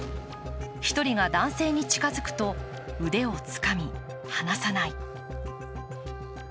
１人が男性に近づくと腕をつかみ放さない。